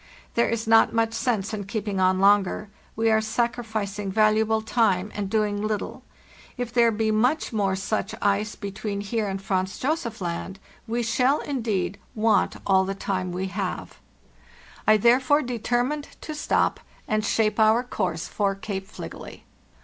There is not much sense in keeping on longer; we are sacrificing valuable time and doing little. If there be much more such ice between here and Franz Josef Land, we shall, indeed, want all the time we have. 170 FARTHEST NORTH "T therefore determined to stop, and shape our course for Cape Fligely.